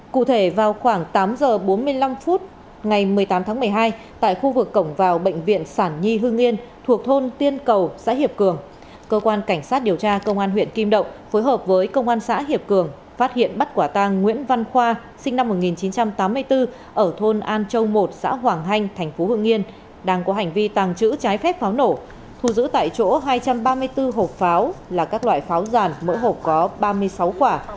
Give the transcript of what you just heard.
cụ thể vào khoảng tám h bốn mươi năm phút ngày một mươi tám tháng một mươi hai tại khu vực cổng vào bệnh viện sản nhi hương yên thuộc thôn tiên cầu xã hiệp cường cơ quan cảnh sát điều tra công an huyện kim động phối hợp với công an xã hiệp cường phát hiện bắt quả tàng nguyễn văn khoa sinh năm một nghìn chín trăm tám mươi bốn ở thôn an châu một xã hoàng hanh thành phố hương yên đang có hành vi tàng chữ trái phép pháo nổ thu giữ tại chỗ hai trăm ba mươi bốn hộp pháo là các loại pháo giàn mỗi hộp có ba mươi sáu quả